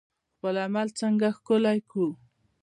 خپل عمل څنګه ښکلی کړو؟